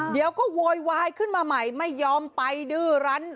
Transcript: เดี๋ยวก็โวยวายขึ้นมาใหม่ไม่ยอมไปดื้อรัน